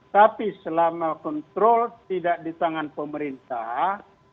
tapi selama kontrol tidak di tangan pemerintah